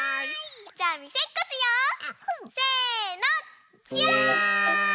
じゃあみせっこしよう！せの！じゃん！